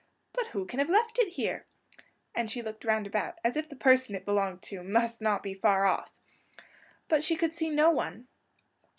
But who can have left it here?" and she looked round about, as if the person it belonged to must be not far off. But she could see no one.